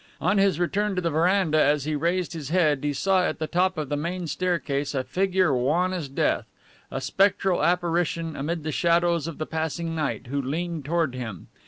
On his return to the veranda, as he raised his head, he saw at the top of the main staircase a figure wan as death, a spectral apparition amid the shadows of the passing night, who leaned toward him.